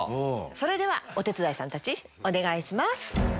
それではお手伝いさんたちお願いします。